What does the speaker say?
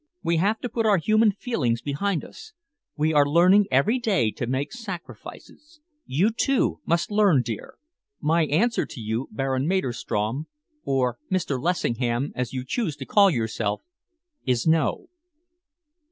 We have to put our human feelings behind us. We are learning every day to make sacrifices. You, too, must learn, dear. My answer to you, Baron Maderstrom or Mr. Lessingham, as you choose to call yourself is no."